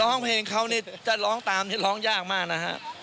ร้องเพลงเขานี่ถ้าร้องตามนี่ร้องยากมากนะฮะ